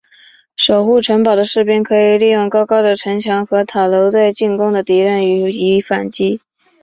守护城堡的士兵可以利用高高的城墙和塔楼对进犯的敌人予以反击。